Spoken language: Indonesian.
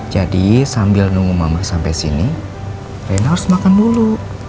jadi sambil nunggu mama sampai sini reina harus makan dulu